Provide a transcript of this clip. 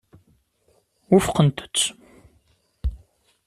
Wufqent-t.